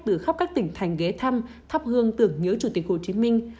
từ khắp các tỉnh thành ghé thăm thắp hương tưởng nhớ chủ tịch hồ chí minh